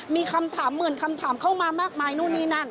มีคำถามหมื่นคำถามเข้ามามากมายนู่นนี่นั่น